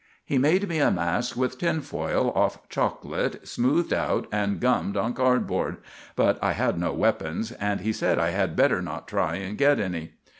He made me a mask with tinfoil off chocolate smoothed out and gummed on cardboard; but I had no weapons, and he said I had better not try and get any.